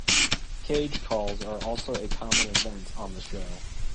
"Cage Calls" are also a common event on the show.